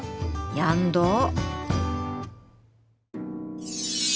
やんどお。